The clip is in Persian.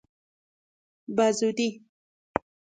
بزودی